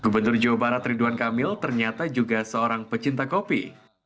gubernur jawa barat ridwan kamil ternyata juga seorang pecinta kopi